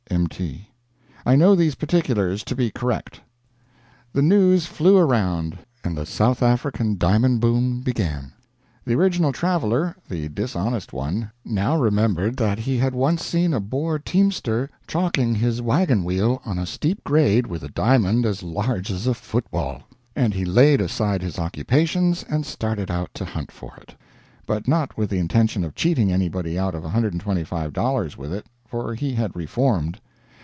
M.T.] I know these particulars to be correct. The news flew around, and the South African diamond boom began. The original traveler the dishonest one now remembered that he had once seen a Boer teamster chocking his wagon wheel on a steep grade with a diamond as large as a football, and he laid aside his occupations and started out to hunt for it, but not with the intention of cheating anybody out of $125 with it, for he had reformed.